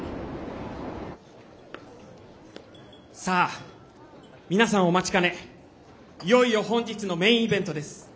さあ皆さんお待ちかねいよいよ本日のメインイベントです。